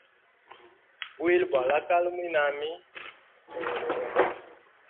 Bwili bwali akala mwinami.